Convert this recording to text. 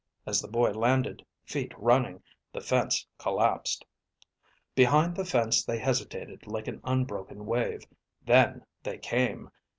As the boy landed, feet running, the fence collapsed. Behind the fence they hesitated like an unbroken wave. Then they came.